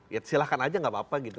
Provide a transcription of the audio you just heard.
ya silahkan aja gak apa apa gitu